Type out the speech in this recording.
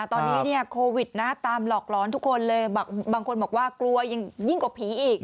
ตอนนี้โควิดนะตามหลอกหลอนทุกคนเลยบางคนบอกว่ากลัวยิ่งกว่าผีอีก